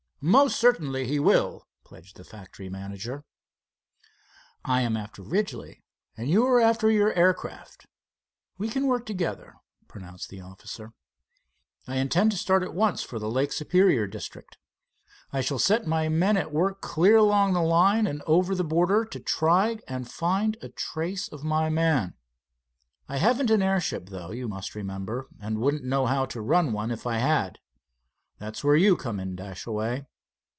"Most certainly he will," pledged the factory manager. "I am after Ridgely, you are after your aircraft. We can work together," pronounced the officer. "I intend to start at once for the Lake Superior district. I shall set my men at work clear along the line and over the border, to try and find a trace of my man. I haven't an airship, though, you must remember, and wouldn't know how to run one if I had. That's where you come in, Dashaway.